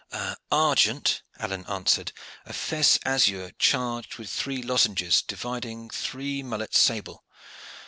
"Argent," Alleyne answered, "a fess azure charged with three lozenges dividing three mullets sable.